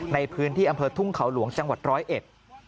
ในพื้นที่อำเภอทุ่งเขาหลวงจังหวัดร้อยเอ็ด